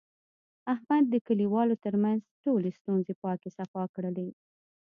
احمد د کلیوالو ترمنځ ټولې ستونزې پاکې صفا کړلې.